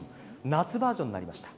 夏バージョンになりました。